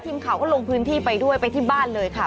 ทีมข่าวก็ลงพื้นที่ไปด้วยไปที่บ้านเลยค่ะ